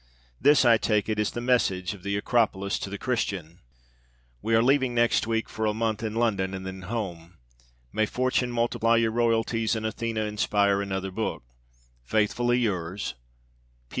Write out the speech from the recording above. This, I take it, is the message of the Acropolis to the Christian. We are leaving next week for a month in London, and then home. May Fortune multiply your royalties and Athena inspire another book! Faithfully yours.